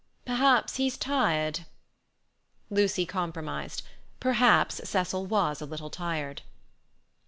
"Perhaps he's tired." Lucy compromised: perhaps Cecil was a little tired.